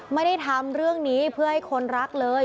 ไม่ได้ทำเรื่องนี้เพื่อให้คนรักเลย